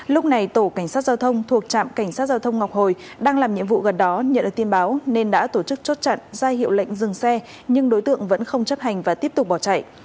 lúc này tổ cảnh sát giao thông thuộc trạm cảnh sát giao thông ngọc hồi đang làm nhiệm vụ gần đó nhận được tin báo nên đã tổ chức chốt chặn ra hiệu lệnh dừng xe nhưng đối tượng vẫn không chấp hành và tiếp tục bỏ chạy